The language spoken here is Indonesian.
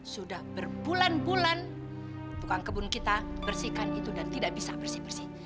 sudah berbulan bulan tukang kebun kita bersihkan itu dan tidak bisa bersih bersih